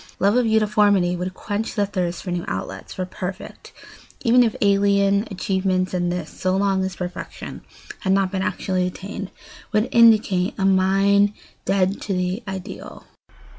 Love of uniformity would quench the thirst for new outlets, for perfect, even if alien, achievements, and this, so long as perfection had not been actually attained, would indicate a mind dead to the ideal.